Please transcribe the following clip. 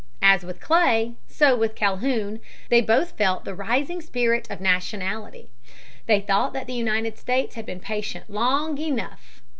As with Clay so with Calhoun, they both felt the rising spirit of nationality. They thought that the United States had been patient long enough.